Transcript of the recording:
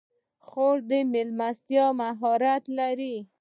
خور د میلمستیا مهارت لري.